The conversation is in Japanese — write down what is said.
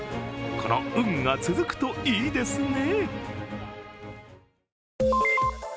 この運が続くといいですね。